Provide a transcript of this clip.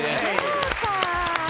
そうか。